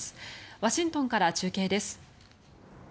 ワシントンから中継です。